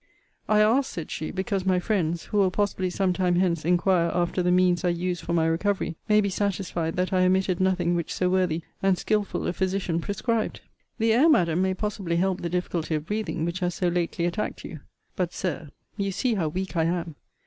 I ask, said she, because my friends (who will possibly some time hence inquire after the means I used for my recovery) may be satisfied that I omitted nothing which so worthy and skilful a physician prescribed? The air, Madam, may possibly help the difficulty of breathing, which has so lately attacked you. But, Sir, you see how weak I am.